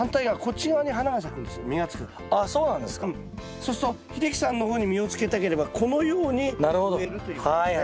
そうすると秀樹さんの方に実をつけたければこのように植えるということですね。